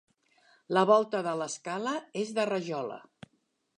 La volta de l'escala és de rajola.